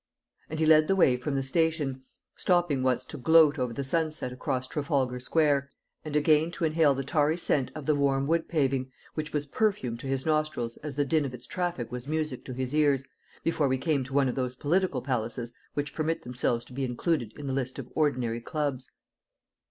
And he led the way from the station, stopping once to gloat over the sunset across Trafalgar Square, and again to inhale the tarry scent of the warm wood paving, which was perfume to his nostrils as the din of its traffic was music to his ears, before we came to one of those political palaces which permit themselves to be included in the list of ordinary clubs.